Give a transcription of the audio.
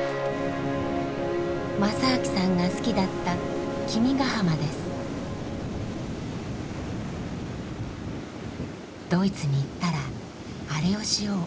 正明さんが好きだったドイツに行ったらあれをしよう